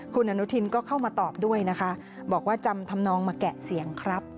คุณอนุทินก็เข้ามาตอบด้วยนะคะบอกว่าจำทำนองมาแกะเสียงครับ